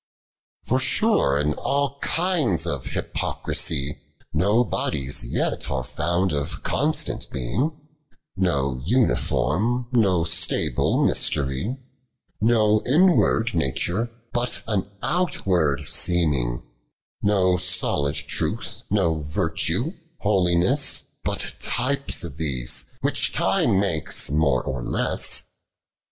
32. For sure in all kinds of Hypocrisie Xo bodies yet are found of constant being ; No uniforme, no stable mistery ; No inward nature, but an outward seeming ; No solid truth, no vertue, holiness ; But types of these, which Time makes more or less.